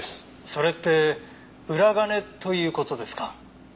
それって裏金という事ですか？